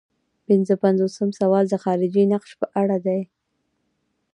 پنځه پنځوسم سوال د خارجي تفتیش په اړه دی.